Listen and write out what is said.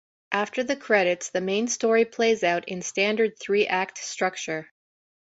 After the credits, the main story plays out in standard three-act structure.